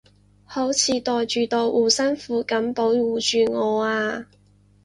好似袋住道護身符噉保護住我啊